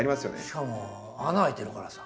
しかも穴開いてるからさ。